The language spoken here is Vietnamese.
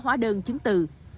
hóa đơn chứng tự